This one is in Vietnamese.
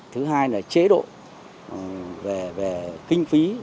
thứ hai là chế độ về kinh phí